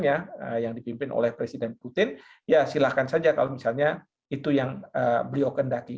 yang dipimpin oleh presiden putin ya silahkan saja kalau misalnya itu yang beliau kendaki